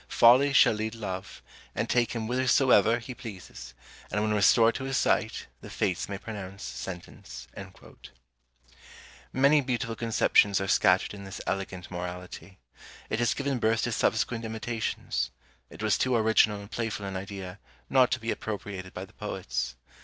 Folly shall lead Love, and take him whithersoever he pleases, and when restored to his sight, the Fates may pronounce sentence." Many beautiful conceptions are scattered in this elegant Morality. It has given birth to subsequent imitations; it was too original and playful an idea not to be appropriated by the poets.